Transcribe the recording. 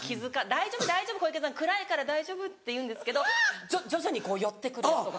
「大丈夫大丈夫小池さん暗いから大丈夫」って言うんですけど徐々に寄ってくるやつとか。